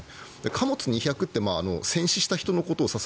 貨物２００って戦死した人のことを指す